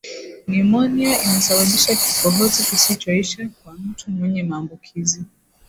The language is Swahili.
nimonia inasababisha kikohozi kisichoisha kwa mtu mwenye maambukizi